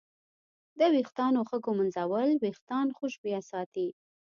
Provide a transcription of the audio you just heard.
د ویښتانو ښه ږمنځول وېښتان خوشبویه ساتي.